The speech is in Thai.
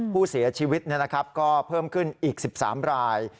ผู้เสียชีวิตก็เพิ่มขึ้นอีก๑๓ราย